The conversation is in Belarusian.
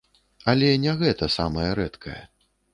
Але не гэта самае рэдкае.